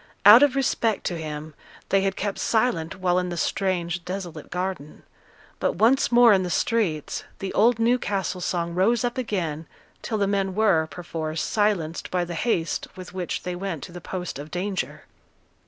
Out of respect to him, they had kept silent while in the strange, desolate garden; but once more in the streets, the old Newcastle song rose up again till the men were, perforce, silenced by the haste with which they went to the post of danger.